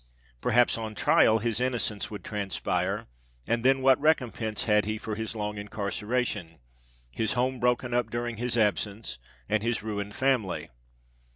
Perhaps on trial his innocence would transpire; and then what recompense had he for his long incarceration—his home broken up during his absence—and his ruined family?